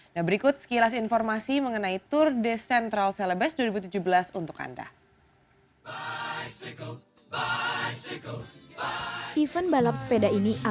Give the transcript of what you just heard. nah berikut sekilas informasi mengenai tour de central celebes dua ribu tujuh belas untuk anda